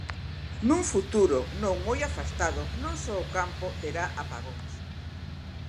Nun futuro, non moi afastado, non só o campo terá apagóns.